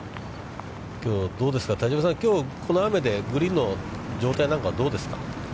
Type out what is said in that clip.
きょうどうですか、田島さん、この雨でグリーンの状態なんかはどうですか。